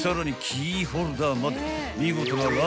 キーホルダーまで見事な］